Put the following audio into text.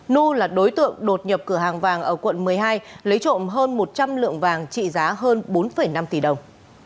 nu là đối tượng đột nhập cửa hàng vàng ở quận một mươi hai lấy trộm hơn một trăm linh lượng vàng trị giá hơn bốn năm tỷ đồng